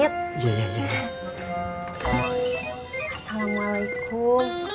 kejadian dulu cuman cupon